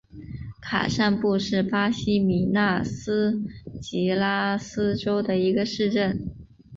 卡尚布是巴西米纳斯吉拉斯州的一个市镇。